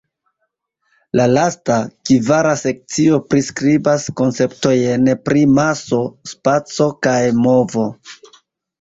La lasta, kvara sekcio priskribas konceptojn pri maso, spaco kaj movo.